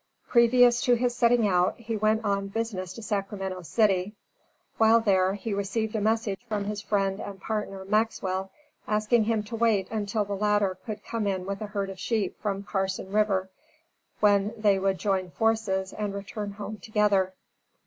Previous to his setting out, he went on business to Sacramento City. While there, he received a message from his friend and partner, Maxwell, asking him to wait until the latter could come in with a herd of sheep from Carson River, when they could join forces and return home together.